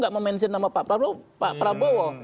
menyebut nama pak prabowo pak prabowo